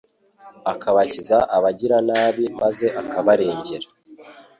akabakiza abagiranabi maze akabarengera